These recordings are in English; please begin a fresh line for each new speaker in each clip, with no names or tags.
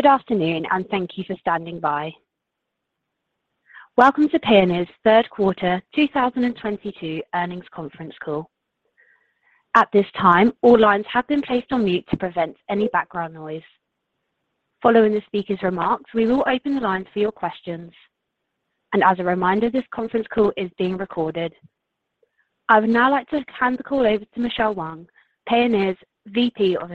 Good afternoon, and thank you for standing by. Welcome to Payoneer's third quarter 2022 earnings conference call. At this time, all lines have been placed on mute to prevent any background noise. Following the speaker's remarks, we will open the lines for your questions. As a reminder, this conference call is being recorded. I would now like to hand the call over to Michelle Wang, Payoneer's VP of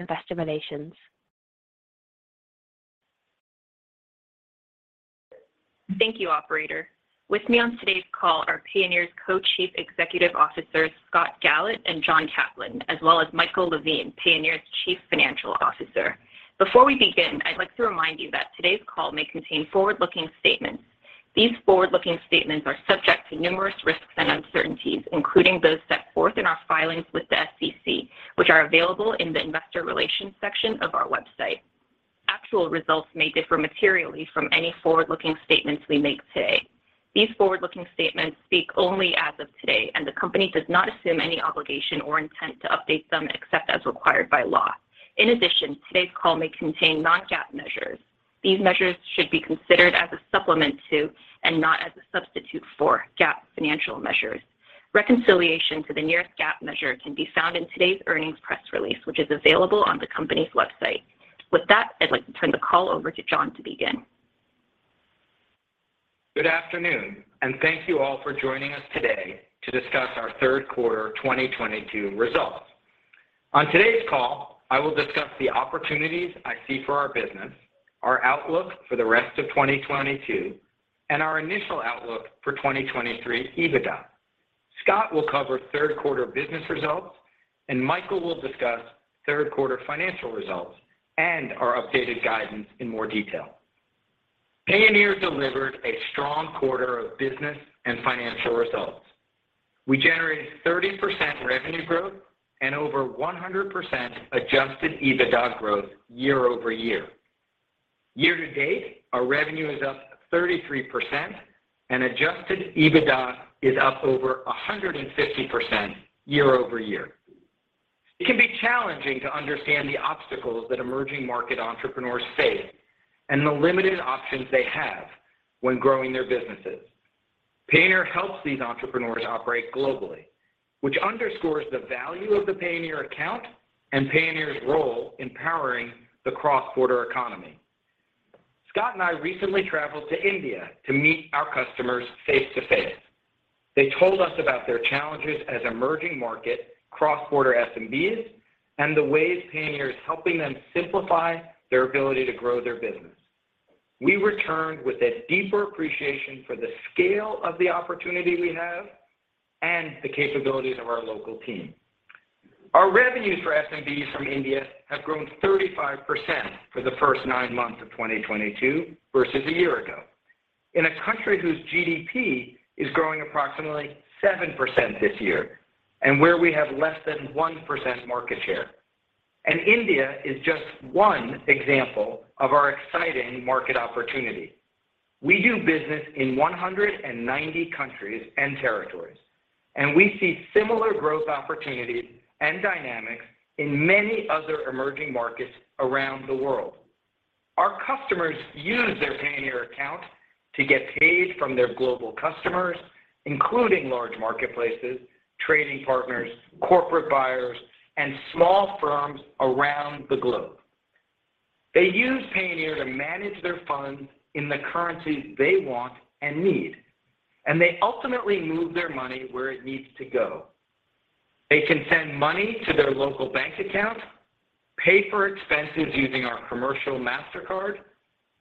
Investor Relations.
Thank you, operator. With me on today's call are Payoneer's Co-Chief Executive Officers, Scott Galit and John Caplan, as well as Michael Levine, Payoneer's Chief Financial Officer. Before we begin, I'd like to remind you that today's call may contain forward-looking statements. These forward-looking statements are subject to numerous risks and uncertainties, including those set forth in our filings with the SEC, which are available in the Investor Relations section of our website. Actual results may differ materially from any forward-looking statements we make today. These forward-looking statements speak only as of today, and the company does not assume any obligation or intent to update them except as required by law. In addition, today's call may contain non-GAAP measures. These measures should be considered as a supplement to, and not as a substitute for, GAAP financial measures. Reconciliation to the nearest GAAP measure can be found in today's earnings press release, which is available on the company's website. With that, I'd like to turn the call over to John to begin.
Good afternoon, and thank you all for joining us today to discuss our third quarter 2022 results. On today's call, I will discuss the opportunities I see for our business, our outlook for the rest of 2022, and our initial outlook for 2023 EBITDA. Scott will cover third quarter business results, and Michael will discuss third quarter financial results and our updated guidance in more detail. Payoneer delivered a strong quarter of business and financial results. We generated 30% revenue growth and over 100% adjusted EBITDA growth year-over-year. Year-to-date, our revenue is up 33% and adjusted EBITDA is up over 150% year-over-year. It can be challenging to understand the obstacles that emerging market entrepreneurs face and the limited options they have when growing their businesses. Payoneer helps these entrepreneurs operate globally, which underscores the value of the Payoneer account and Payoneer's role in powering the cross-border economy. Scott and I recently traveled to India to meet our customers face-to-face. They told us about their challenges as emerging market cross-border SMBs and the ways Payoneer is helping them simplify their ability to grow their business. We returned with a deeper appreciation for the scale of the opportunity we have and the capabilities of our local team. Our revenues for SMBs from India have grown 35% for the first nine months of 2022 versus a year ago. In a country whose GDP is growing approximately 7% this year and where we have less than 1% market share. India is just one example of our exciting market opportunity. We do business in 190 countries and territories, and we see similar growth opportunities and dynamics in many other emerging markets around the world. Our customers use their Payoneer account to get paid from their global customers, including large marketplaces, trading partners, corporate buyers, and small firms around the globe. They use Payoneer to manage their funds in the currency they want and need, and they ultimately move their money where it needs to go. They can send money to their local bank account, pay for expenses using our commercial Mastercard,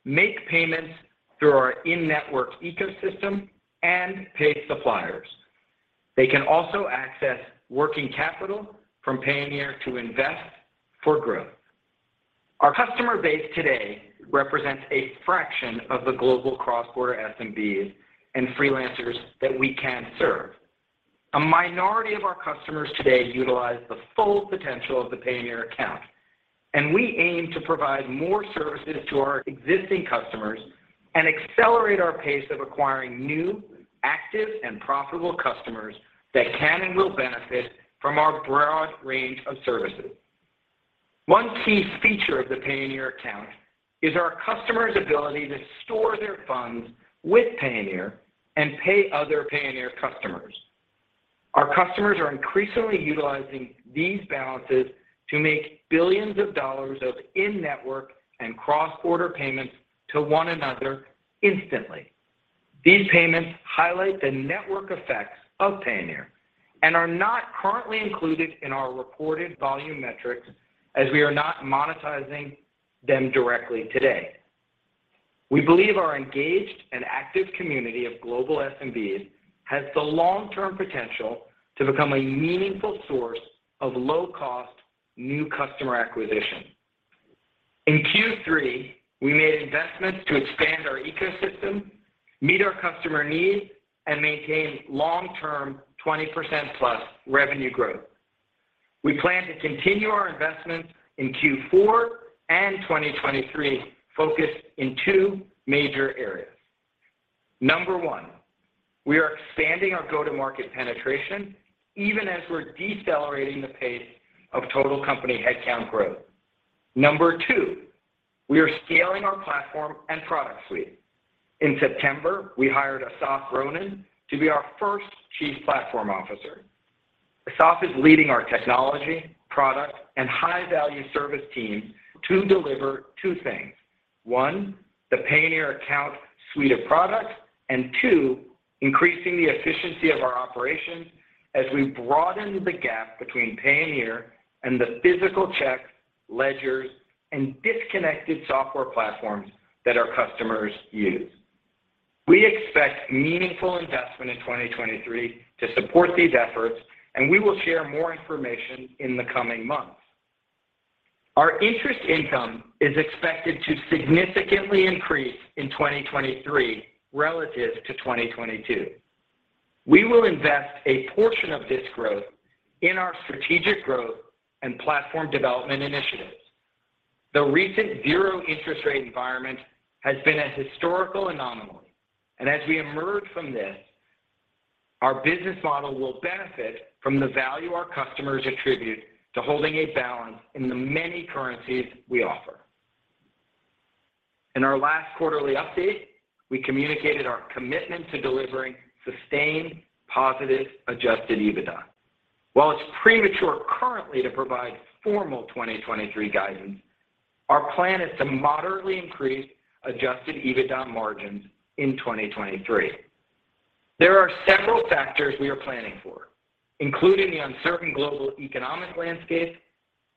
make payments through our in-network ecosystem, and pay suppliers. They can also access working capital from Payoneer to invest for growth. Our customer base today represents a fraction of the global cross-border SMBs and freelancers that we can serve. A minority of our customers today utilize the full potential of the Payoneer account, and we aim to provide more services to our existing customers and accelerate our pace of acquiring new, active, and profitable customers that can and will benefit from our broad range of services. One key feature of the Payoneer account is our customers' ability to store their funds with Payoneer and pay other Payoneer customers. Our customers are increasingly utilizing these balances to make billions of dollars of in-network and cross-border payments to one another instantly. These payments highlight the network effects of Payoneer and are not currently included in our reported volume metrics as we are not monetizing them directly today. We believe our engaged and active community of global SMBs has the long-term potential to become a meaningful source of low-cost new customer acquisition. In Q3, we made investments to expand our ecosystem, meet our customer needs, and maintain long-term 20%+ revenue growth. We plan to continue our investments in Q4 and 2023 focused in two major areas. Number one, we are expanding our go-to-market penetration even as we're decelerating the pace of total company headcount growth. Number two, we are scaling our platform and product suite. In September, we hired Assaf Ronen to be our first Chief Platform Officer. Assaf is leading our technology, product, and high-value service teams to deliver two things. One, the Payoneer account suite of products, and two, increasing the efficiency of our operations as we broaden the gap between Payoneer and the physical checks, ledgers, and disconnected software platforms that our customers use. We expect meaningful investment in 2023 to support these efforts, and we will share more information in the coming months. Our interest income is expected to significantly increase in 2023 relative to 2022. We will invest a portion of this growth in our strategic growth and platform development initiatives. The recent zero interest rate environment has been a historical anomaly, and as we emerge from this, our business model will benefit from the value our customers attribute to holding a balance in the many currencies we offer. In our last quarterly update, we communicated our commitment to delivering sustained positive adjusted EBITDA. While it's premature currently to provide formal 2023 guidance, our plan is to moderately increase adjusted EBITDA margins in 2023. There are several factors we are planning for, including the uncertain global economic landscape,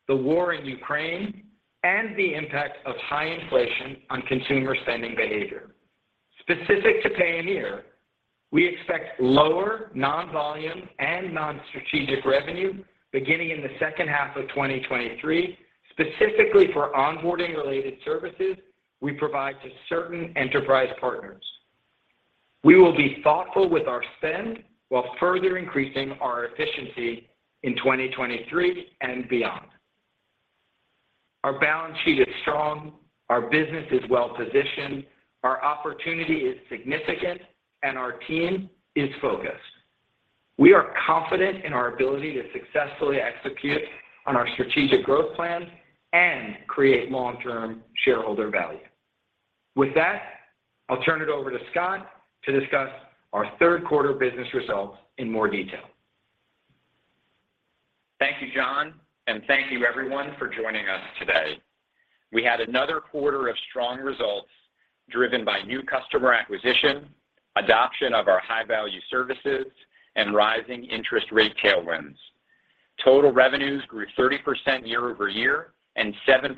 the war in Ukraine, and the impact of high inflation on consumer spending behavior. Specific to Payoneer, we expect lower non-volume and non-strategic revenue beginning in the second half of 2023, specifically for onboarding-related services we provide to certain enterprise partners. We will be thoughtful with our spend while further increasing our efficiency in 2023 and beyond. Our balance sheet is strong, our business is well-positioned, our opportunity is significant, and our team is focused. We are confident in our ability to successfully execute on our strategic growth plan and create long-term shareholder value. With that, I'll turn it over to Scott to discuss our third quarter business results in more detail.
Thank you, John, and thank you everyone for joining us today. We had another quarter of strong results driven by new customer acquisition, adoption of our high-value services, and rising interest rate tailwinds. Total revenues grew 30% year-over-year and 7%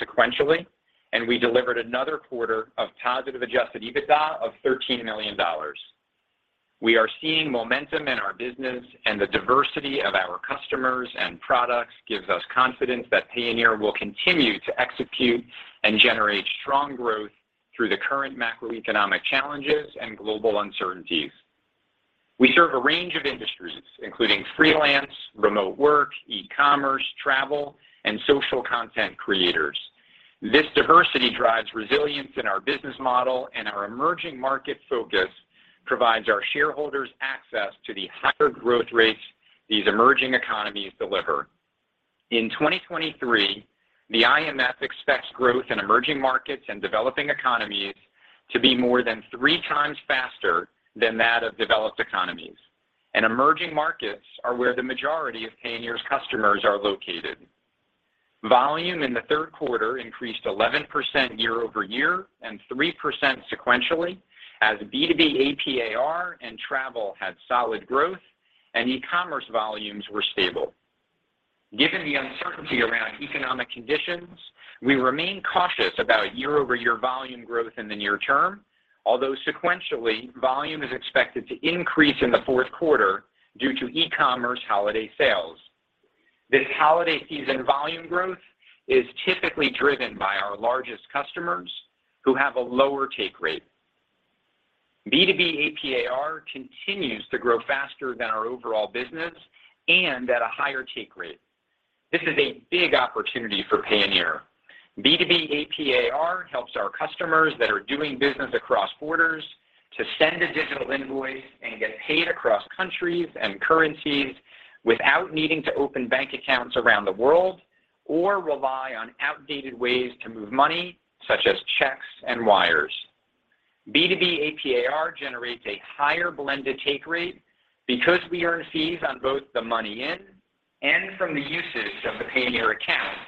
sequentially, and we delivered another quarter of positive adjusted EBITDA of $13 million. We are seeing momentum in our business and the diversity of our customers and products gives us confidence that Payoneer will continue to execute and generate strong growth through the current macroeconomic challenges and global uncertainties. We serve a range of industries, including freelance, remote work, e-commerce, travel, and social content creators. This diversity drives resilience in our business model and our emerging market focus provides our shareholders access to the higher growth rates these emerging economies deliver. In 2023, the IMF expects growth in emerging markets and developing economies to be more than 3 times faster than that of developed economies, and emerging markets are where the majority of Payoneer's customers are located. Volume in the third quarter increased 11% year-over-year and 3% sequentially as B2B AP/AR and travel had solid growth and e-commerce volumes were stable. Given the uncertainty around economic conditions, we remain cautious about year-over-year volume growth in the near term, although sequentially volume is expected to increase in the fourth quarter due to e-commerce holiday sales. This holiday season volume growth is typically driven by our largest customers who have a lower take rate. B2B AP/AR continues to grow faster than our overall business and at a higher take rate. This is a big opportunity for Payoneer. B2B AP/AR helps our customers that are doing business across borders to send a digital invoice and get paid across countries and currencies without needing to open bank accounts around the world or rely on outdated ways to move money, such as checks and wires. B2B AP/AR generates a higher blended take rate because we earn fees on both the money in and from the usage of the Payoneer account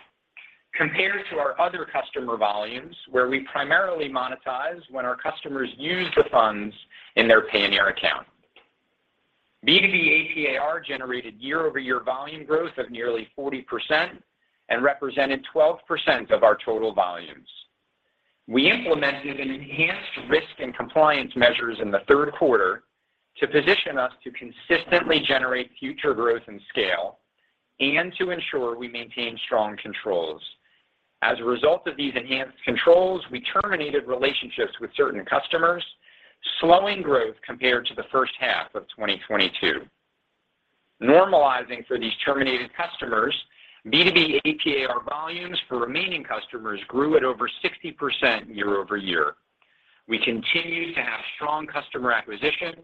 compared to our other customer volumes where we primarily monetize when our customers use the funds in their Payoneer account. B2B AP/AR generated year-over-year volume growth of nearly 40% and represented 12% of our total volumes. We implemented an enhanced risk and compliance measures in the third quarter to position us to consistently generate future growth and scale and to ensure we maintain strong controls. As a result of these enhanced controls, we terminated relationships with certain customers, slowing growth compared to the first half of 2022. Normalizing for these terminated customers, B2B AP/AR volumes for remaining customers grew at over 60% year-over-year. We continue to have strong customer acquisition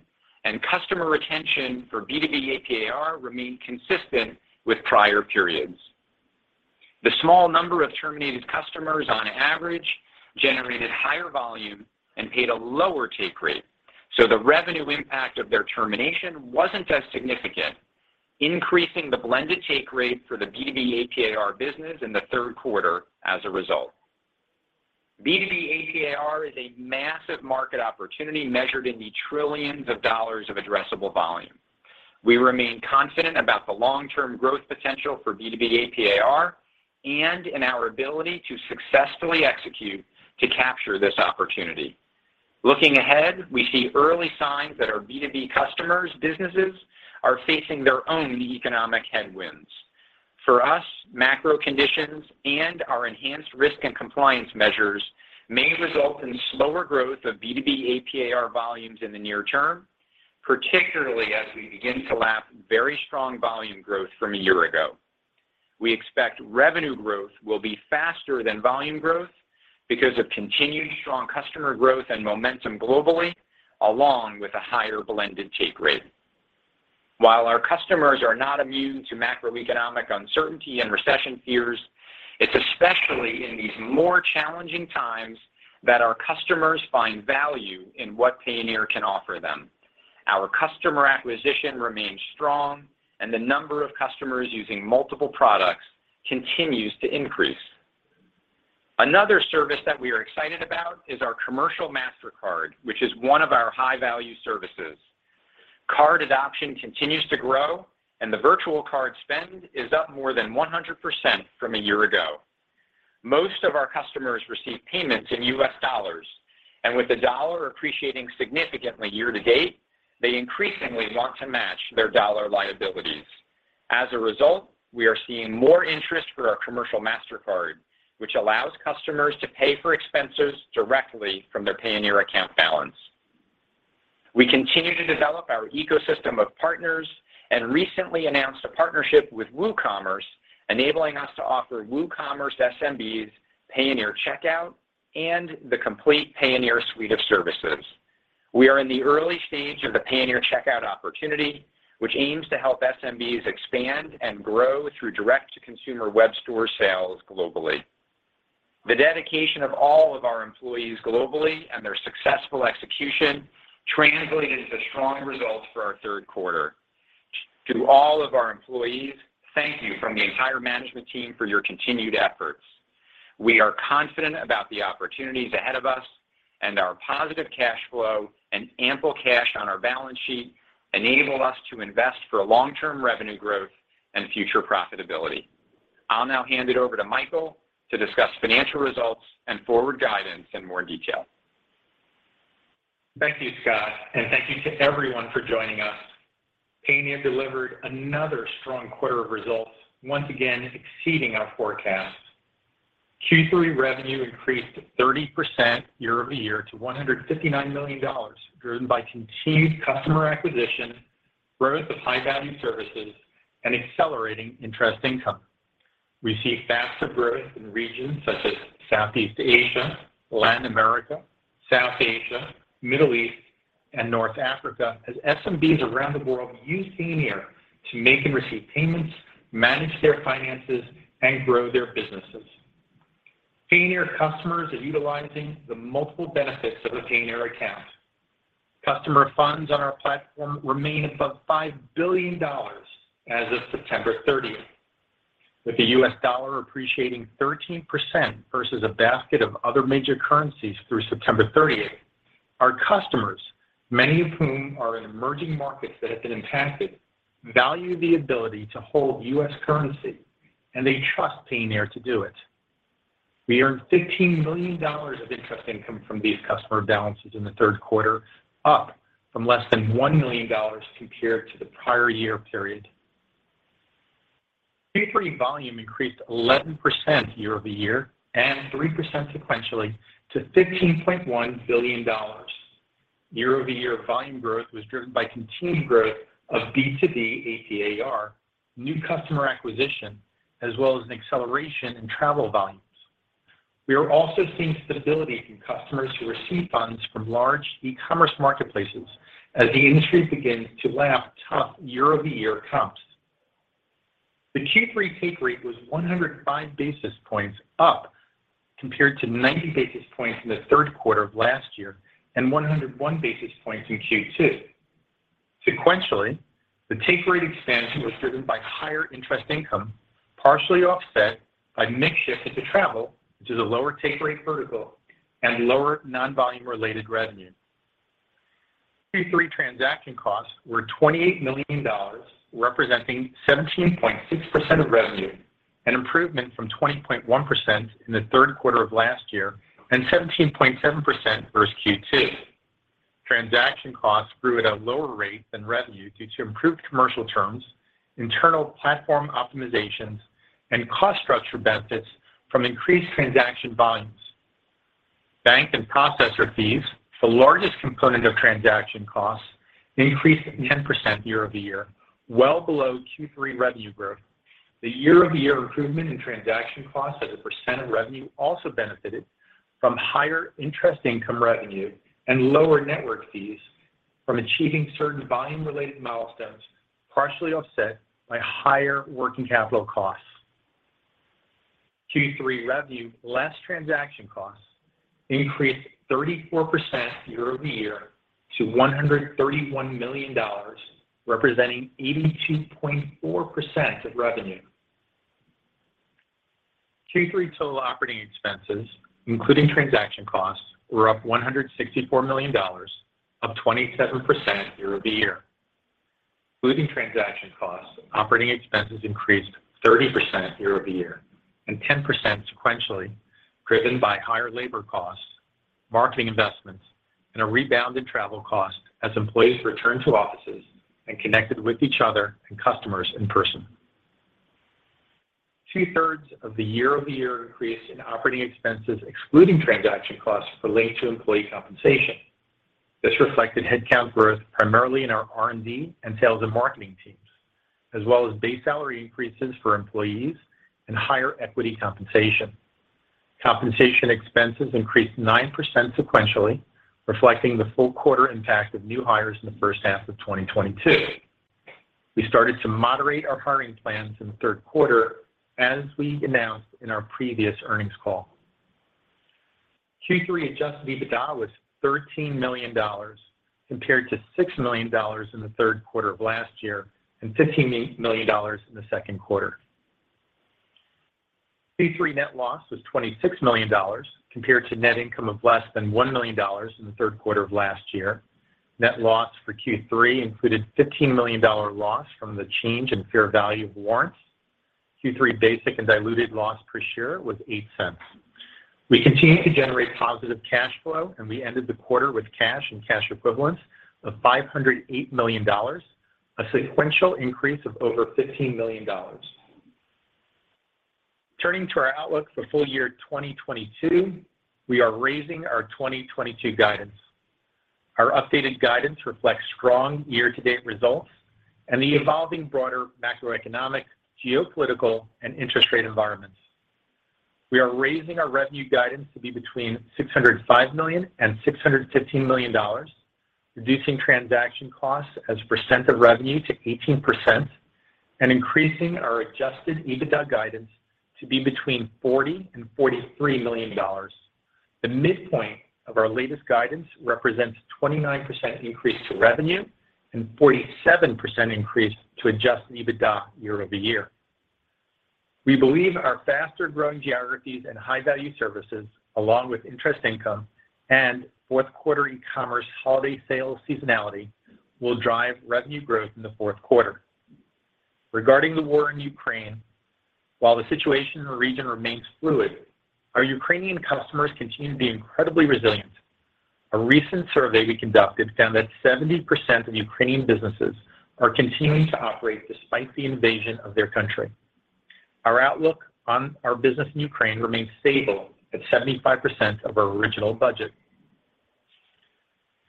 and customer retention for B2B AP/AR remain consistent with prior periods. The small number of terminated customers on average generated higher volume and paid a lower take rate. The revenue impact of their termination wasn't as significant, increasing the blended take rate for the B2B AP/AR business in the third quarter as a result. B2B AP/AR is a massive market opportunity measured in the $ trillions of addressable volume. We remain confident about the long-term growth potential for B2B AP/AR and in our ability to successfully execute to capture this opportunity. Looking ahead, we see early signs that our B2B customers businesses are facing their own economic headwinds. For us, macro conditions and our enhanced risk and compliance measures may result in slower growth of B2B AP/AR volumes in the near term, particularly as we begin to lap very strong volume growth from a year ago. We expect revenue growth will be faster than volume growth because of continued strong customer growth and momentum globally along with a higher blended take rate. While our customers are not immune to macroeconomic uncertainty and recession fears, it's especially in these more challenging times that our customers find value in what Payoneer can offer them. Our customer acquisition remains strong and the number of customers using multiple products continues to increase. Another service that we are excited about is our commercial Mastercard, which is one of our high-value services. Card adoption continues to grow, and the virtual card spend is up more than 100% from a year ago. Most of our customers receive payments in U.S. dollars, and with the dollar appreciating significantly year-to-date, they increasingly want to match their dollar liabilities. As a result, we are seeing more interest for our Payoneer Commercial Mastercard, which allows customers to pay for expenses directly from their Payoneer account balance. We continue to develop our ecosystem of partners and recently announced a partnership with WooCommerce, enabling us to offer WooCommerce SMBs Payoneer Checkout and the complete Payoneer suite of services. We are in the early stage of the Payoneer Checkout opportunity, which aims to help SMBs expand and grow through direct-to-consumer web store sales globally. The dedication of all of our employees globally and their successful execution translated into strong results for our third quarter. To all of our employees, thank you from the entire management team for your continued efforts. We are confident about the opportunities ahead of us and our positive cash flow and ample cash on our balance sheet enable us to invest for long-term revenue growth and future profitability. I'll now hand it over to Michael to discuss financial results and forward guidance in more detail.
Thank you, Scott, and thank you to everyone for joining us. Payoneer delivered another strong quarter of results, once again exceeding our forecast. Q3 revenue increased 30% year-over-year to $159 million, driven by continued customer acquisition, growth of high-value services, and accelerating interest income. We see faster growth in regions such as Southeast Asia, Latin America, South Asia, Middle East, and North Africa as SMBs around the world use Payoneer to make and receive payments, manage their finances, and grow their businesses. Payoneer customers are utilizing the multiple benefits of a Payoneer account. Customer funds on our platform remain above $5 billion as of September 30th. With the US dollar appreciating 13% versus a basket of other major currencies through September 30th, our customers, many of whom are in emerging markets that have been impacted, value the ability to hold US currency, and they trust Payoneer to do it. We earned $15 million of interest income from these customer balances in the third quarter, up from less than $1 million compared to the prior year period. Q3 volume increased 11% year-over-year and 3% sequentially to $16.1 billion. Year-over-year volume growth was driven by continued growth of B2B AP/AR, new customer acquisition, as well as an acceleration in travel volumes. We are also seeing stability from customers who receive funds from large e-commerce marketplaces as the industry begins to lap tough year-over-year comps. The Q3 take rate was 105 basis points up compared to 90 basis points in the third quarter of last year and 101 basis points in Q2. Sequentially, the take rate expansion was driven by higher interest income, partially offset by mix shift into travel, which is a lower take rate vertical and lower non-volume related revenue. Q3 transaction costs were $28 million, representing 17.6% of revenue, an improvement from 20.1% in the third quarter of last year and 17.7% versus Q2. Transaction costs grew at a lower rate than revenue due to improved commercial terms, internal platform optimizations, and cost structure benefits from increased transaction volumes. Bank and processor fees, the largest component of transaction costs, increased 10% year-over-year, well below Q3 revenue growth. The year-over-year improvement in transaction costs as a percent of revenue also benefited from higher interest income revenue and lower network fees from achieving certain volume-related milestones, partially offset by higher working capital costs. Q3 revenue, less transaction costs, increased 34% year-over-year to $131 million, representing 82.4% of revenue. Q3 total operating expenses, including transaction costs, were up $164 million, up 27% year-over-year. Including transaction costs, operating expenses increased 30% year-over-year and 10% sequentially, driven by higher labor costs, marketing investments, and a rebound in travel costs as employees returned to offices and connected with each other and customers in person. Two-thirds of the year-over-year increase in operating expenses excluding transaction costs relate to employee compensation. This reflected headcount growth primarily in our R&D and sales and marketing teams, as well as base salary increases for employees and higher equity compensation. Compensation expenses increased 9% sequentially, reflecting the full quarter impact of new hires in the first half of 2022. We started to moderate our hiring plans in the third quarter, as we announced in our previous earnings call. Q3 adjusted EBITDA was $13 million compared to $6 million in the third quarter of last year and $15 million in the second quarter. Q3 net loss was $26 million compared to net income of less than $1 million in the third quarter of last year. Net loss for Q3 included $15 million loss from the change in fair value of warrants. Q3 basic and diluted loss per share was $0.08. We continue to generate positive cash flow, and we ended the quarter with cash and cash equivalents of $508 million, a sequential increase of over $15 million. Turning to our outlook for full year 2022, we are raising our 2022 guidance. Our updated guidance reflects strong year-to-date results and the evolving broader macroeconomic, geopolitical, and interest rate environments. We are raising our revenue guidance to be between $605 million and $615 million, reducing transaction costs as a percent of revenue to 18% and increasing our adjusted EBITDA guidance to be between $40 million and $43 million. The midpoint of our latest guidance represents 29% increase to revenue and 47% increase to adjusted EBITDA year-over-year. We believe our faster-growing geographies and high-value services, along with interest income and fourth quarter e-commerce holiday sales seasonality will drive revenue growth in the fourth quarter. Regarding the war in Ukraine, while the situation in the region remains fluid, our Ukrainian customers continue to be incredibly resilient. A recent survey we conducted found that 70% of Ukrainian businesses are continuing to operate despite the invasion of their country. Our outlook on our business in Ukraine remains stable at 75% of our original budget.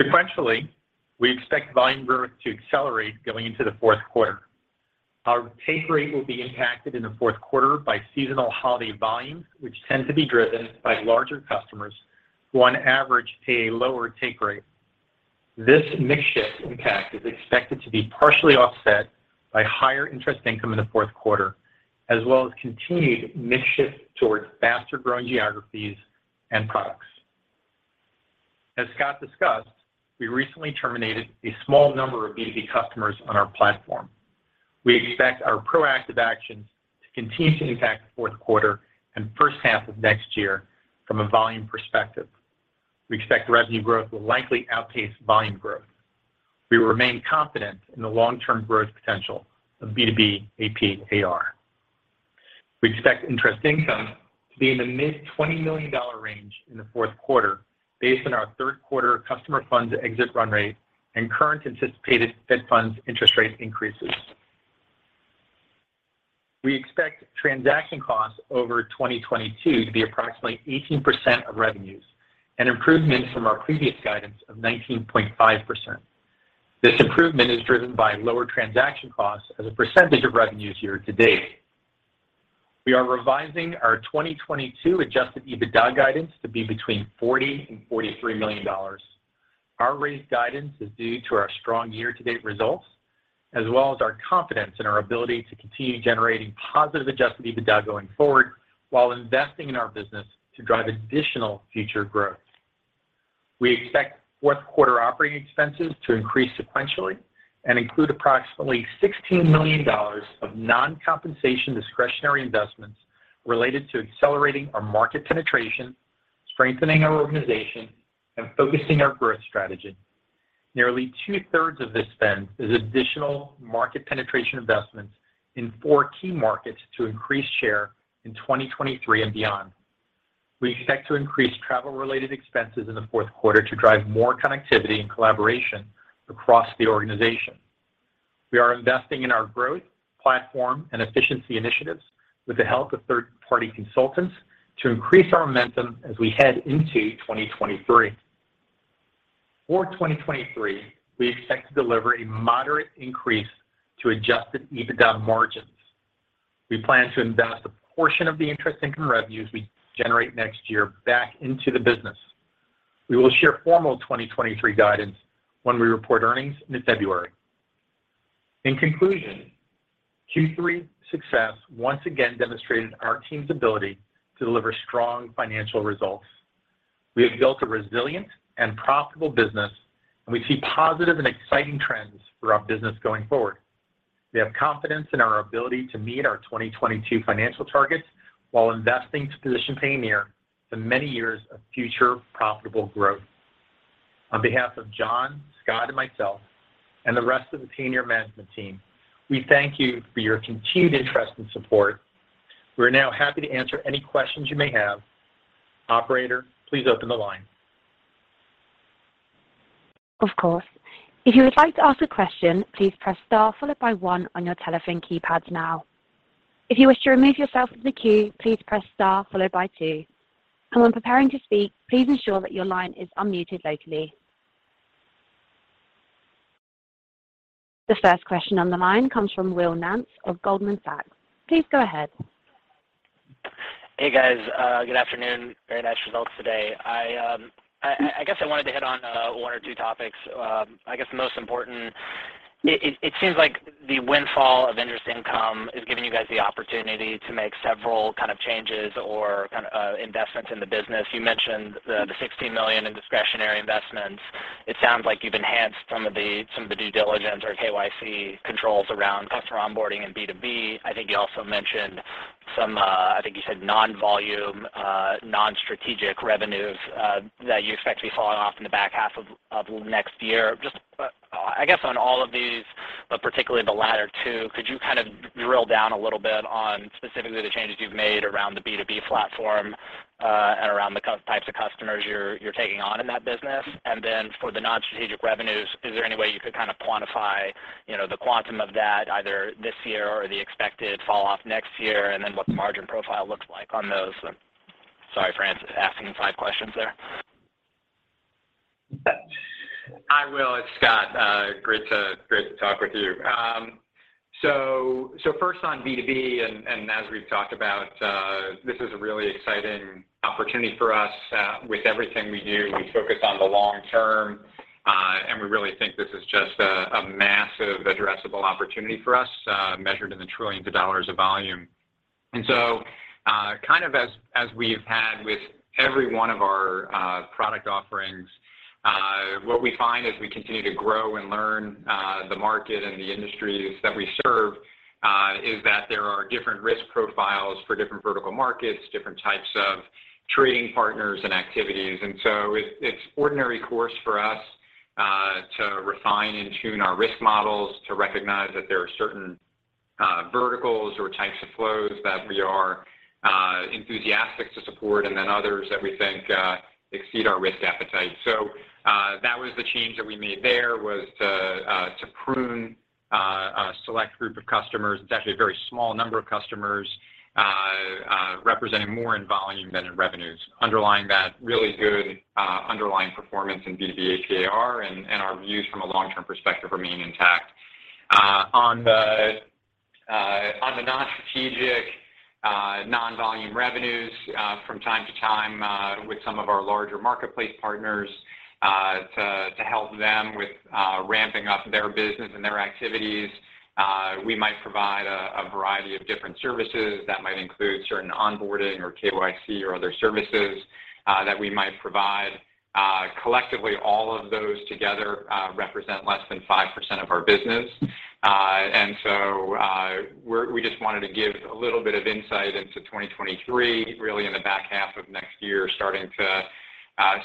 Sequentially, we expect volume growth to accelerate going into the fourth quarter. Our take rate will be impacted in the fourth quarter by seasonal holiday volumes, which tend to be driven by larger customers who on average pay a lower take rate. This mix shift impact is expected to be partially offset by higher interest income in the fourth quarter, as well as continued mix shift towards faster-growing geographies and products. As Scott discussed, we recently terminated a small number of B2B customers on our platform. We expect our proactive actions to continue to impact the fourth quarter and first half of next year from a volume perspective. We expect revenue growth will likely outpace volume growth. We remain confident in the long-term growth potential of B2B AP/AR. We expect interest income to be in the mid-$20 million range in the fourth quarter based on our third quarter customer funds exit run rate and current anticipated Fed funds interest rate increases. We expect transaction costs over 2022 to be approximately 18% of revenues, an improvement from our previous guidance of 19.5%. This improvement is driven by lower transaction costs as a percentage of revenues year-to-date. We are revising our 2022 adjusted EBITDA guidance to be between $40 million and $43 million. Our raised guidance is due to our strong year-to-date results as well as our confidence in our ability to continue generating positive adjusted EBITDA going forward while investing in our business to drive additional future growth. We expect fourth quarter operating expenses to increase sequentially and include approximately $16 million of non-compensation discretionary investments related to accelerating our market penetration, strengthening our organization, and focusing our growth strategy. Nearly two-thirds of this spend is additional market penetration investments in four key markets to increase share in 2023 and beyond. We expect to increase travel-related expenses in the fourth quarter to drive more connectivity and collaboration across the organization. We are investing in our growth platform and efficiency initiatives with the help of third-party consultants to increase our momentum as we head into 2023. For 2023, we expect to deliver a moderate increase to adjusted EBITDA margins. We plan to invest a portion of the interest income revenues we generate next year back into the business. We will share formal 2023 guidance when we report earnings in February. In conclusion, Q3 success once again demonstrated our team's ability to deliver strong financial results. We have built a resilient and profitable business, and we see positive and exciting trends for our business going forward. We have confidence in our ability to meet our 2022 financial targets while investing to position Payoneer to many years of future profitable growth. On behalf of John, Scott, and myself and the rest of the Payoneer management team, we thank you for your continued interest and support. We are now happy to answer any questions you may have. Operator, please open the line.
Of course. If you would like to ask a question, please press star followed by one on your telephone keypads now. If you wish to remove yourself from the queue, please press star followed by two. When preparing to speak, please ensure that your line is unmuted locally. The first question on the line comes from Will Nance of Goldman Sachs. Please go ahead.
Hey, guys. Good afternoon. Very nice results today. I guess I wanted to hit on one or two topics. I guess most important, it seems like the windfall of interest income is giving you guys the opportunity to make several kind of changes or kind of investments in the business. You mentioned the $16 million in discretionary investments. It sounds like you've enhanced some of the due diligence or KYC controls around customer onboarding and B2B. I think you also mentioned some. I think you said non-volume non-strategic revenues that you expect to be falling off in the back half of next year. Just, I guess on all of these, but particularly the latter two, could you kind of drill down a little bit on specifically the changes you've made around the B2B platform, and around the types of customers you're taking on in that business? Then for the non-strategic revenues, is there any way you could kind of quantify, you know, the quantum of that either this year or the expected fall off next year and then what the margin profile looks like on those? Sorry, for just, asking five questions there.
Hi, Will, it's Scott. Great to talk with you. First on B2B, and as we've talked about, this is a really exciting opportunity for us. With everything we do, we focus on the long term, and we really think this is just a massive addressable opportunity for us, measured in $ trillions of volume. Kind of as we've had with every one of our product offerings, what we find as we continue to grow and learn the market and the industries that we serve, is that there are different risk profiles for different vertical markets, different types of trading partners and activities. It's ordinary course for us to refine and tune our risk models to recognize that there are certain verticals or types of flows that we are enthusiastic to support and then others that we think exceed our risk appetite. That was the change that we made there was to prune a select group of customers. It's actually a very small number of customers representing more in volume than in revenues. Underlying that really good underlying performance in B2B AP/AR and our views from a long-term perspective remain intact. On the non-strategic non-volume revenues, from time to time, with some of our larger marketplace partners, to help them with ramping up their business and their activities, we might provide a variety of different services that might include certain onboarding or KYC or other services that we might provide. Collectively, all of those together represent less than 5% of our business. We just wanted to give a little bit of insight into 2023, really in the back half of next year, starting to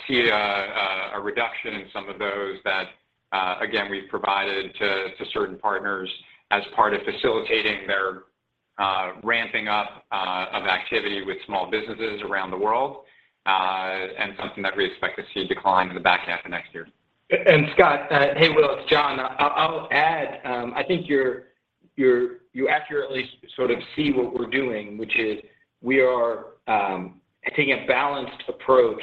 see a reduction in some of those that again we've provided to certain partners as part of facilitating their ramping up of activity with small businesses around the world, and something that we expect to see a decline in the back half of next year.
Scott, hey, Will, it's John. I'll add, I think you accurately sort of see what we're doing, which is we are taking a balanced approach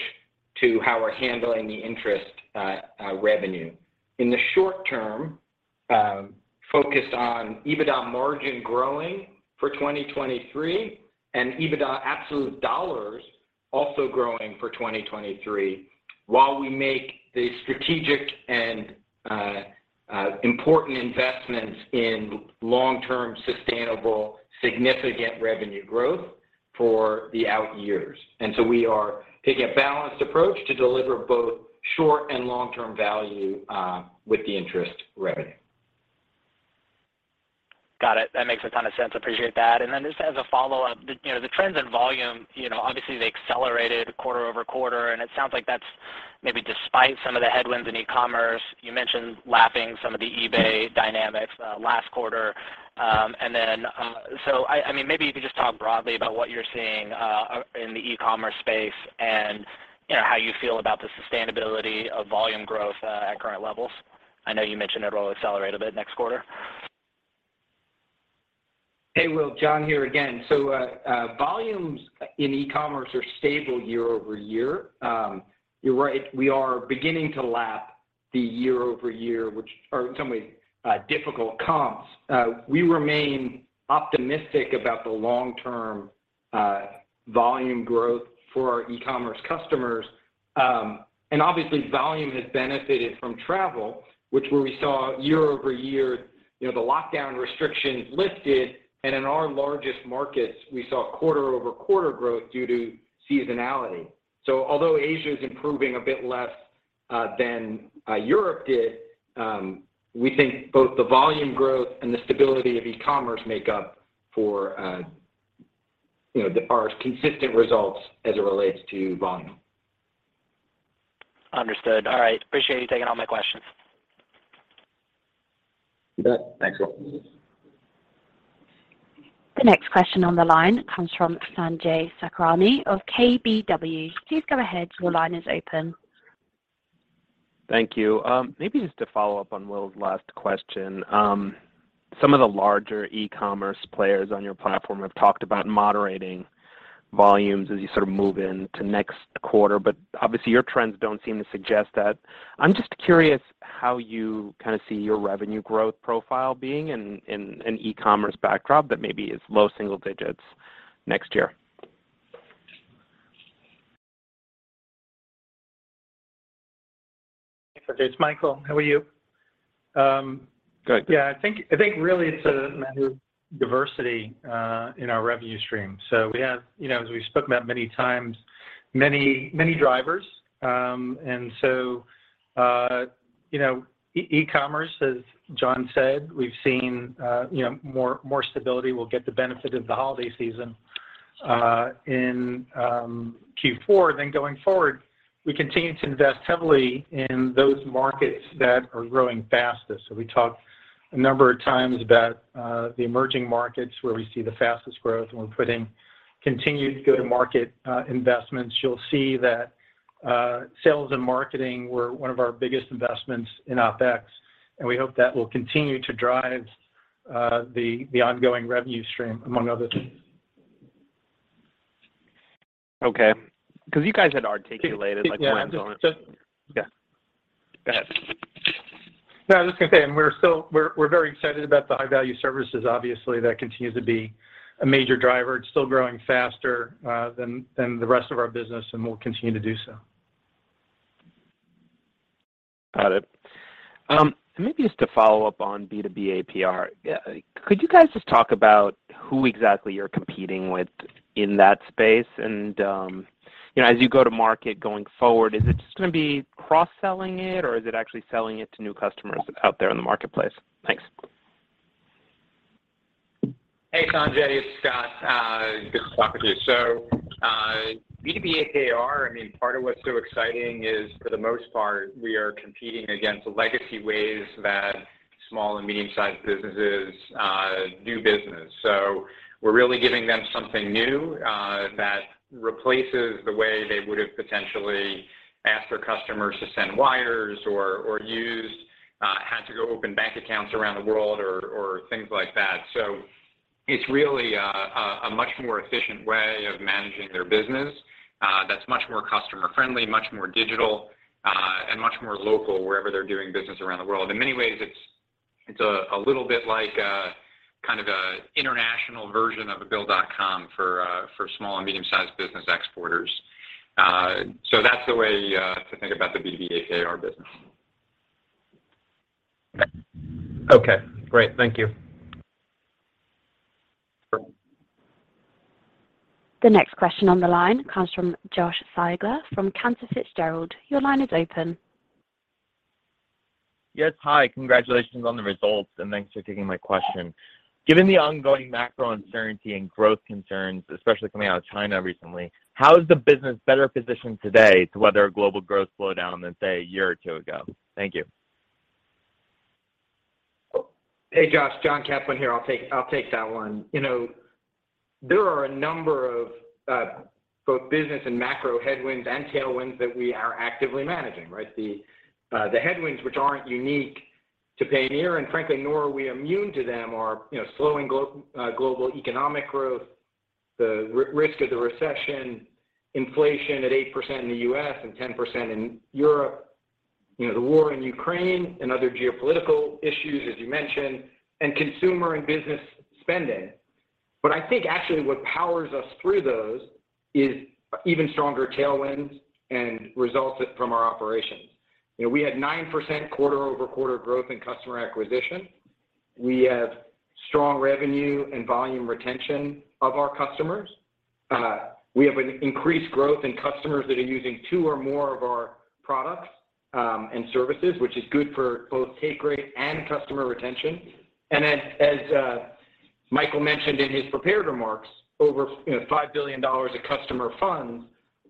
to how we're handling the interest revenue. In the short term, focused on EBITDA margin growing for 2023 and EBITDA absolute dollars also growing for 2023, while we make the strategic and important investments in long-term, sustainable, significant revenue growth for the out years. We are taking a balanced approach to deliver both short and long-term value with the interest revenue.
Got it. That makes a ton of sense. Appreciate that. Just as a follow-up, the you know the trends in volume you know obviously they accelerated quarter-over-quarter, and it sounds like that's maybe despite some of the headwinds in e-commerce. You mentioned lapping some of the eBay dynamics last quarter. I mean, maybe you could just talk broadly about what you're seeing in the e-commerce space and you know how you feel about the sustainability of volume growth at current levels. I know you mentioned it'll accelerate a bit next quarter.
Hey, Will. John here again. Volumes in e-commerce are stable year-over-year. You're right, we are beginning to lap the year-over-year, which are in some ways difficult comps. We remain optimistic about the long-term volume growth for our e-commerce customers. Obviously, volume has benefited from travel, which where we saw year-over-year, you know, the lockdown restrictions lifted, and in our largest markets, we saw quarter-over-quarter growth due to seasonality. Although Asia is improving a bit less than Europe did, we think both the volume growth and the stability of e-commerce make up for, you know, our consistent results as it relates to volume.
Understood. All right. Appreciate you taking all my questions.
You bet. Thanks, Will.
The next question on the line comes from Sanjay Sakhrani of KBW. Please go ahead, your line is open.
Thank you. Maybe just to follow up on Will's last question. Some of the larger e-commerce players on your platform have talked about moderating volumes as you sort of move into next quarter, but obviously, your trends don't seem to suggest that. I'm just curious how you kinda see your revenue growth profile being in an e-commerce backdrop that maybe is low single digits next year.
Hey, Sanjay. It's Michael. How are you?
Good.
Yeah. I think really it's a matter of diversity in our revenue stream. We have, you know, as we've spoken about many times, many drivers. You know, e-commerce, as John said, we've seen you know, more stability. We'll get the benefit of the holiday season in Q4. Going forward, we continue to invest heavily in those markets that are growing fastest. We talked a number of times about the emerging markets, where we see the fastest growth, and we're putting continued go-to-market investments. You'll see that sales and marketing were one of our biggest investments in OpEx, and we hope that will continue to drive the ongoing revenue stream among other things.
Okay. 'Cause you guys had articulated, like.
Yeah.
Yeah. Go ahead.
No, I'm just gonna say. We're very excited about the high-value services. Obviously, that continues to be a major driver. It's still growing faster than the rest of our business, and will continue to do so.
Got it. Maybe just to follow up on B2B AP/AR. Could you guys just talk about who exactly you're competing with in that space? You know, as you go to market going forward, is it just gonna be cross-selling it, or is it actually selling it to new customers out there in the marketplace? Thanks.
Hey, Sanjay. It's Scott. Good to talk with you. B2B AP/AR, I mean, part of what's so exciting is, for the most part, we are competing against legacy ways that small and medium-sized businesses do business. We're really giving them something new that replaces the way they would have potentially asked their customers to send wires or used to have to go open bank accounts around the world or things like that. It's really a much more efficient way of managing their business that's much more customer-friendly, much more digital, and much more local wherever they're doing business around the world. In many ways, it's a little bit like a kind of an international version of a Bill.com for small and medium-sized business exporters. That's the way to think about the B2B AP/AR business.
Okay. Great. Thank you.
Sure.
The next question on the line comes from Josh Siegler from Cantor Fitzgerald. Your line is open.
Yes. Hi. Congratulations on the results, and thanks for taking my question. Given the ongoing macro uncertainty and growth concerns, especially coming out of China recently, how is the business better positioned today to weather a global growth slowdown than, say, a year or two ago? Thank you.
Hey, Josh. John Caplan here. I'll take that one. You know, there are a number of both business and macro headwinds and tailwinds that we are actively managing, right? The headwinds which aren't unique to Payoneer, and frankly, nor are we immune to them, are, you know, slowing global economic growth, the risk of the recession, inflation at 8% in the U.S. and 10% in Europe. You know, the war in Ukraine and other geopolitical issues, as you mentioned, and consumer and business spending. I think actually what powers us through those is even stronger tailwinds and results from our operations. You know, we had 9% quarter-over-quarter growth in customer acquisition. We have strong revenue and volume retention of our customers. We have an increased growth in customers that are using two or more of our products, and services, which is good for both take rate and customer retention. As Michael mentioned in his prepared remarks, over $5 billion of customer funds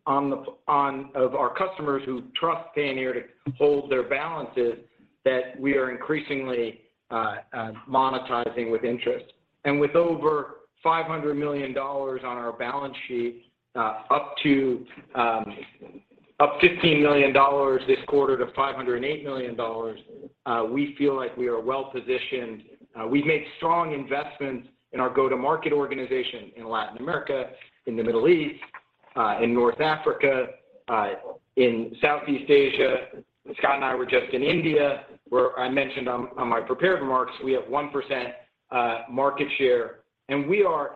of our customers who trust Payoneer to hold their balances, that we are increasingly monetizing with interest. With over $500 million on our balance sheet, up $15 million this quarter to $508 million. We feel like we are well-positioned. We've made strong investments in our go-to-market organization in Latin America, in the Middle East, in North Africa, in Southeast Asia. Scott and I were just in India, where I mentioned in my prepared remarks, we have 1% market share. We are,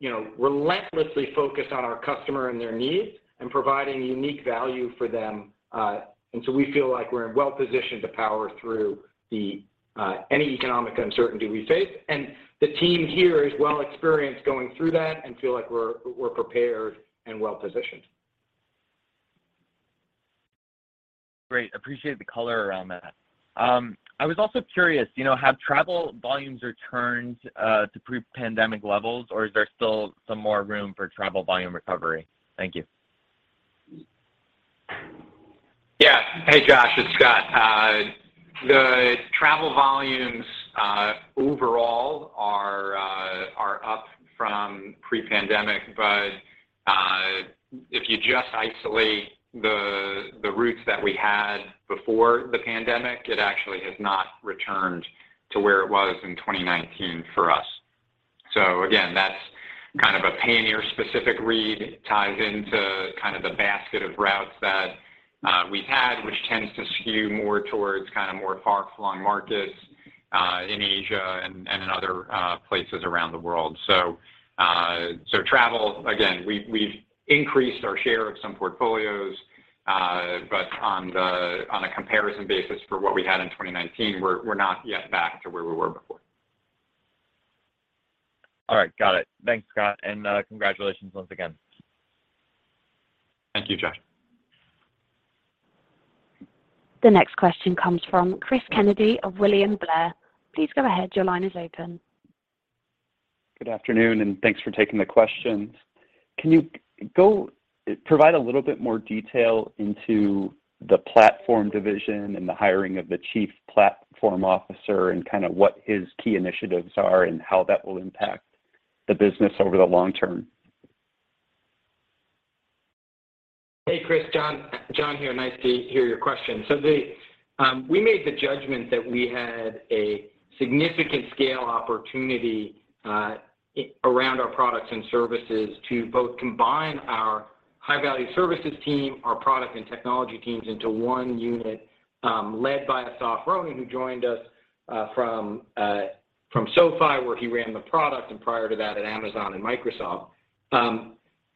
you know, relentlessly focused on our customer and their needs and providing unique value for them. We feel like we're well-positioned to power through any economic uncertainty we face. The team here is well experienced going through that and feel like we're prepared and well-positioned.
Great. Appreciate the color around that. I was also curious, you know, have travel volumes returned to pre-pandemic levels, or is there still some more room for travel volume recovery? Thank you.
Yeah. Hey, Josh, it's Scott. The travel volumes overall are up from pre-pandemic. If you just isolate the routes that we had before the pandemic, it actually has not returned to where it was in 2019 for us. Again, that's kind of a Payoneer specific read that ties into kind of the basket of routes that we had, which tends to skew more towards kind of more far-flung markets in Asia and in other places around the world. Travel, again, we've increased our share of some portfolios, but on a comparison basis for what we had in 2019, we're not yet back to where we were before.
All right. Got it. Thanks, Scott, and congratulations once again.
Thank you, Josh.
The next question comes from Cris Kennedy of William Blair. Please go ahead. Your line is open.
Good afternoon, and thanks for taking the questions. Can you provide a little bit more detail into the platform division and the hiring of the Chief Platform Officer and kind of what his key initiatives are and how that will impact the business over the long term?
Hey, Cris. John here. Nice to hear your question. We made the judgment that we had a significant scale opportunity around our products and services to both combine our high-value services team, our product and technology teams into one unit led by Assaf Ronen, who joined us from SoFi, where he ran the product, and prior to that at Amazon and Microsoft.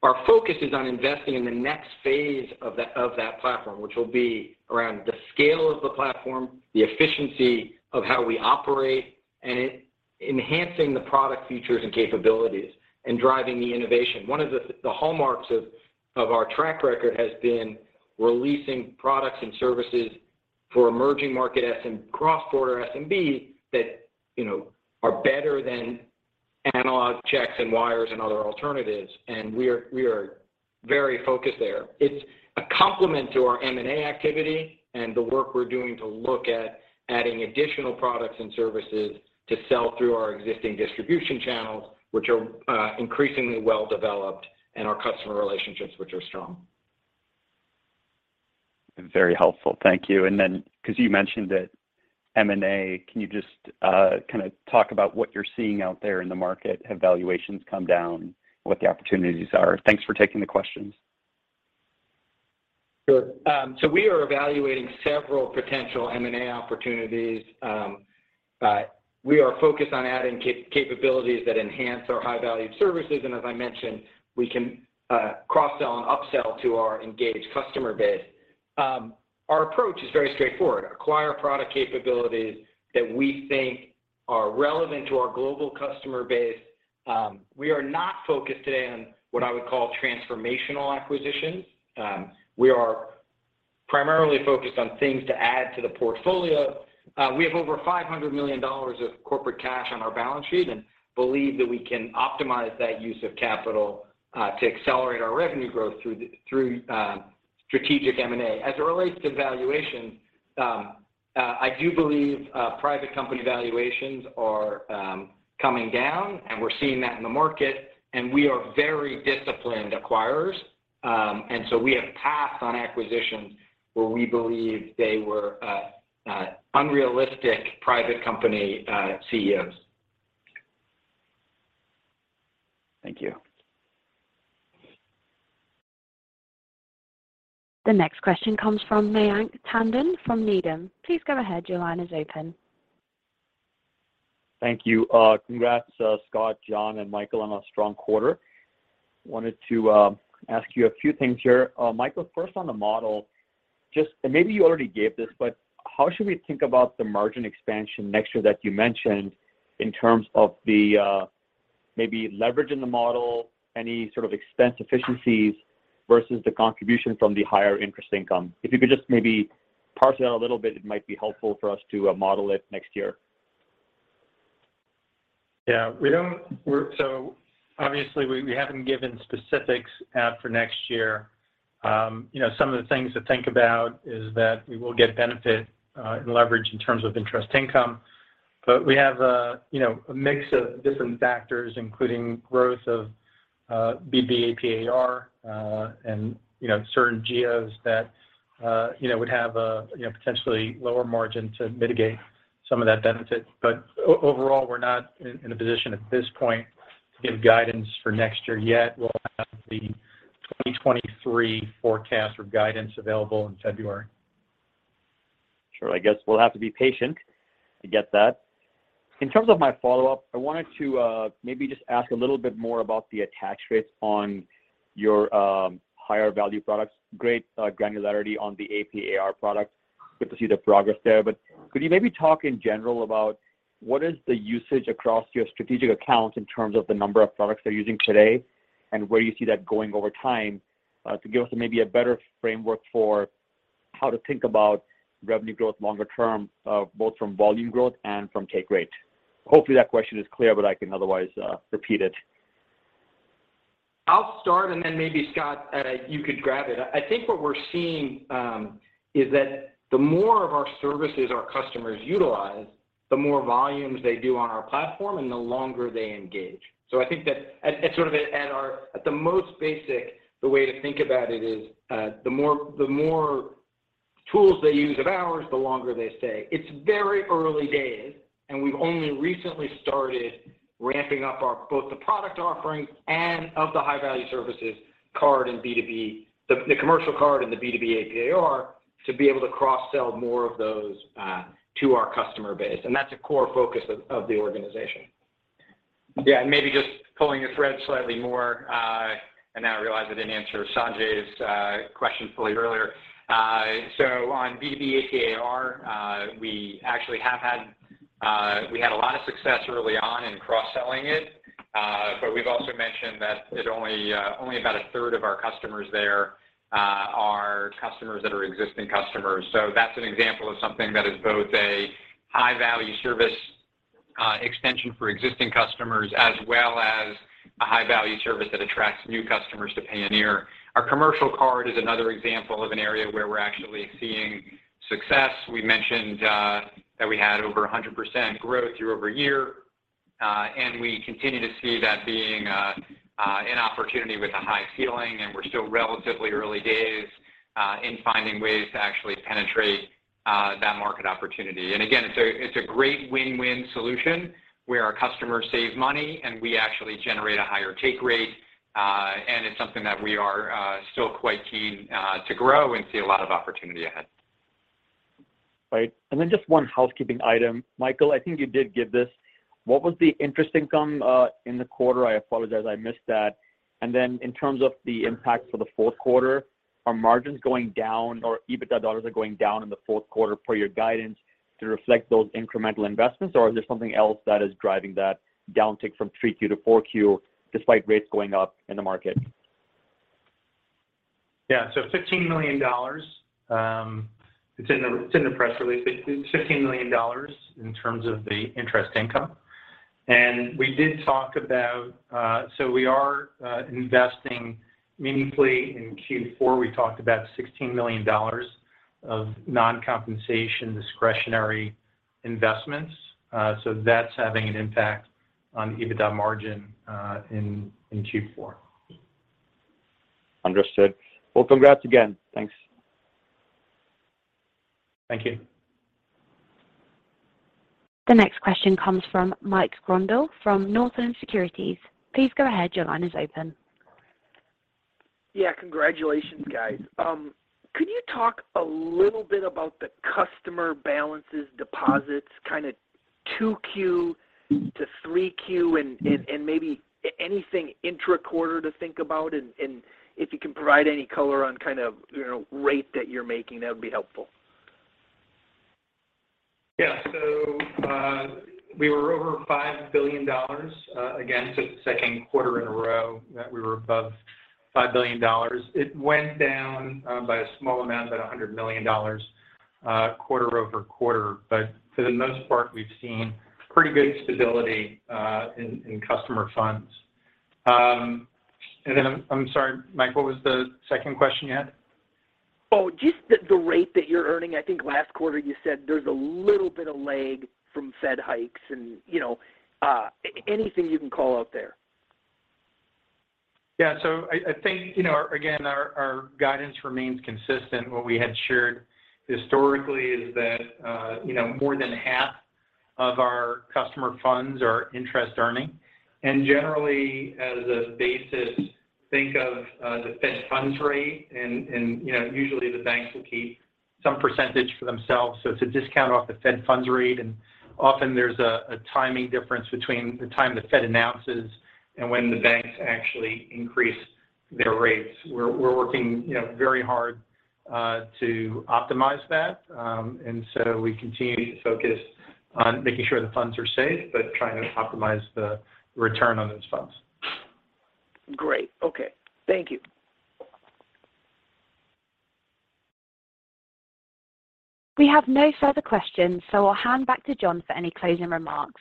Our focus is on investing in the next phase of that platform, which will be around the scale of the platform, the efficiency of how we operate and enhancing the product features and capabilities and driving the innovation. One of the hallmarks of our track record has been releasing products and services for emerging market cross-border SMB that, you know, are better than analog checks and wires and other alternatives. We are very focused there. It's a complement to our M&A activity and the work we're doing to look at adding additional products and services to sell through our existing distribution channels, which are increasingly well-developed, and our customer relationships, which are strong.
Very helpful. Thank you. Because you mentioned it, M&A, can you just, kind of talk about what you're seeing out there in the market? Have valuations come down, what the opportunities are? Thanks for taking the questions.
Sure. We are evaluating several potential M&A opportunities. We are focused on adding capabilities that enhance our high-value services, and as I mentioned, we can cross-sell and upsell to our engaged customer base. Our approach is very straightforward. Acquire product capabilities that we think are relevant to our global customer base. We are not focused today on what I would call transformational acquisitions. We are primarily focused on things to add to the portfolio. We have over $500 million of corporate cash on our balance sheet and believe that we can optimize that use of capital to accelerate our revenue growth through strategic M&A. As it relates to valuations, I do believe private company valuations are coming down, and we're seeing that in the market, and we are very disciplined acquirers. We have passed on acquisitions where we believe they were unrealistic private company CEOs.
Thank you.
The next question comes from Mayank Tandon from Needham. Please go ahead. Your line is open.
Thank you. Congrats, Scott, John, and Michael, on a strong quarter. Wanted to ask you a few things here. Michael, first on the model, and maybe you already gave this, but how should we think about the margin expansion next year that you mentioned in terms of the, maybe leverage in the model, any sort of expense efficiencies versus the contribution from the higher interest income? If you could just maybe parse that a little bit, it might be helpful for us to model it next year.
Yeah. Obviously, we haven't given specifics for next year. You know, some of the things to think about is that we will get benefit in leverage in terms of interest income. We have a, you know, a mix of different factors, including growth of B2B AP/AR, and, you know, certain geos that, you know, would have a, you know, potentially lower margin to mitigate some of that benefit. Overall, we're not in a position at this point to give guidance for next year yet. We'll have the 2023 forecast or guidance available in February.
Sure. I guess we'll have to be patient to get that. In terms of my follow-up, I wanted to maybe just ask a little bit more about the attach rates on your higher value products. Great granularity on the AP/AR products. Good to see the progress there. But could you maybe talk in general about what is the usage across your strategic accounts in terms of the number of products they're using today, and where you see that going over time to give us maybe a better framework for how to think about revenue growth longer term both from volume growth and from take rate. Hopefully that question is clear, but I can otherwise repeat it.
I'll start and then maybe Scott, you could grab it. I think what we're seeing is that the more of our services our customers utilize, the more volumes they do on our platform and the longer they engage. I think that at the most basic, the way to think about it is the more tools they use of ours, the longer they stay. It's very early days, and we've only recently started ramping up our both the product offerings and the high-value services card and B2B, the commercial card and the B2B AP/AR to be able to cross-sell more of those to our customer base. That's a core focus of the organization.
Yeah. Maybe just pulling a thread slightly more, and I realize I didn't answer Sanjay's question fully earlier. On B2B AP/AR, we had a lot of success early on in cross-selling it. We've also mentioned that it only about a third of our customers there are customers that are existing customers. That's an example of something that is both a high-value service extension for existing customers as well as a high-value service that attracts new customers to Payoneer. Our commercial card is another example of an area where we're actually seeing success. We mentioned that we had over 100% growth year-over-year, and we continue to see that being an opportunity with a high ceiling, and we're still relatively early days in finding ways to actually penetrate that market opportunity. Again, it's a great win-win solution where our customers save money and we actually generate a higher take rate, and it's something that we are still quite keen to grow and see a lot of opportunity ahead.
Right. Just one housekeeping item. Michael, I think you did give this. What was the interest income in the quarter? I apologize I missed that. In terms of the impact for the fourth quarter, are margins going down or EBITDA dollars are going down in the fourth quarter per your guidance to reflect those incremental investments? Or is there something else that is driving that downtick from 3Q to 4Q despite rates going up in the market?
Yeah. $15 million, it's in the press release. $15 million in terms of the interest income. We did talk about so we are investing meaningfully in Q4. We talked about $16 million of non-compensation discretionary investments. That's having an impact on EBITDA margin in Q4.
Understood. Well, congrats again. Thanks.
Thank you.
The next question comes from Mike Grondahl from Northland Securities. Please go ahead. Your line is open.
Yeah. Congratulations, guys. Could you talk a little bit about the customer balances, deposits, kinda 2Q to 3Q, and maybe anything intra-quarter to think about? If you can provide any color on kind of, you know, rate that you're making, that would be helpful.
Yeah. We were over $5 billion. Again, second quarter in a row that we were above $5 billion. It went down by a small amount, about $100 million, quarter-over-quarter. But for the most part, we've seen pretty good stability in customer funds. I'm sorry, Mike, what was the second question you had?
Just the rate that you're earning. I think last quarter you said there's a little bit of lag from Fed hikes and, you know, anything you can call out there.
Yeah. I think, you know, again, our guidance remains consistent. What we had shared historically is that, you know, more than half of our customer funds are interest earning. Generally, as a basis, think of the Fed funds rate and, you know, usually the banks will keep some percentage for themselves. It's a discount off the Fed funds rate. Often there's a timing difference between the time the Fed announces and when the banks actually increase their rates. We're working, you know, very hard to optimize that. We continue to focus on making sure the funds are safe, but trying to optimize the return on those funds.
Great. Okay. Thank you.
We have no further questions, so I'll hand back to John for any closing remarks.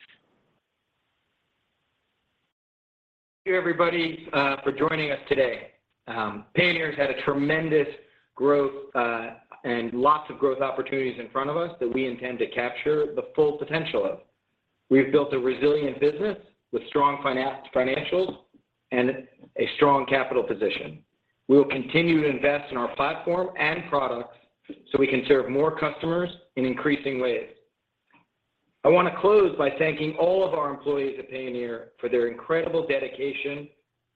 Thank you, everybody, for joining us today. Payoneer's had a tremendous growth, and lots of growth opportunities in front of us that we intend to capture the full potential of. We've built a resilient business with strong financials and a strong capital position. We will continue to invest in our platform and products so we can serve more customers in increasing ways. I wanna close by thanking all of our employees at Payoneer for their incredible dedication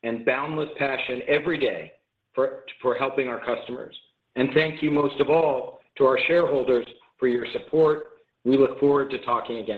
and boundless passion every day for helping our customers. Thank you most of all to our shareholders for your support. We look forward to talking again soon.